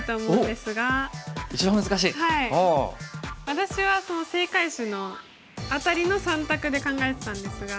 私はその正解手の辺りの３択で考えてたんですが。